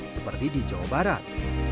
seperti di jawa barat